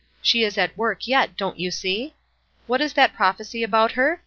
She is at work yet, don't you see? What is that prophecy about her?